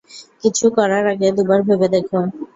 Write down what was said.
কিছু করার আগে দুবার ভেবে দেখ!